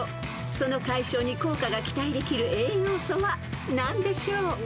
［その解消に効果が期待できる栄養素は何でしょう？］